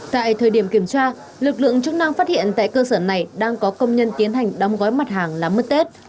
tại thời điểm kiểm tra lực lượng chức năng phát hiện tại cơ sở này đang có công nhân tiến hành đong gói mặt hàng làm mứt tết